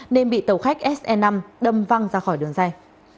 nên bị tàu khách se năm văng ra khỏi đường dây